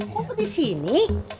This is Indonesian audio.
kok di sini